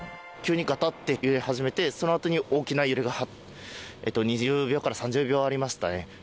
急にがたっと揺れ始めて、そのあとに大きな揺れが２０秒から３０秒ありましたね。